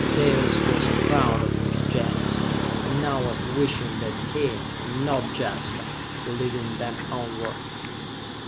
Dalis was proud of his Gens, and now was wishing that he, and not Jaska, were leading them onward.